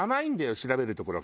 調べるところが。